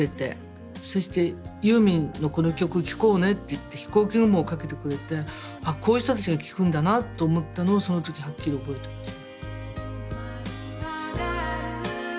そして「ユーミンのこの曲聴こうね」って言って「ひこうき雲」をかけてくれてこういう人たちが聴くんだなと思ったのをその時はっきり覚えてます。